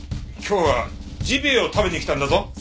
今日はジビエを食べに来たんだぞ。